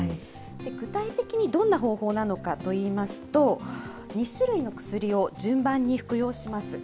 具体的にどんな方法なのかといいますと、２種類の薬を順番に服用します。